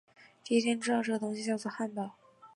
第一天知道这东西叫作汉堡